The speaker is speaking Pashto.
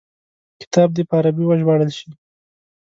کتاب دي په عربي وژباړل شي.